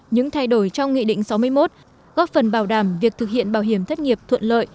những thay đổi trong nghị định sáu mươi một góp phần bảo đảm việc thực hiện bảo hiểm thất nghiệp thuận lợi